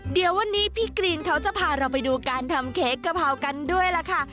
เดี๋ยววันนี้พี่กรีนเขาจะพาเราไปดูการทำเค้กกะเพรากันด้วยล่ะค่ะ